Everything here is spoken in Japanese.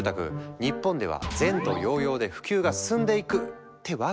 日本では前途洋々で普及が進んでいく！ってわけでもない。